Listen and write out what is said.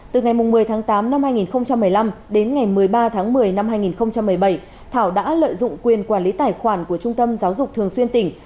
từ ngày một mươi tháng tám năm hai nghìn một mươi năm đến ngày một mươi ba tháng một mươi năm hai nghìn một mươi bảy thảo đã lợi dụng quyền quản lý tài khoản của trung tâm giáo dục thường xuyên tỉnh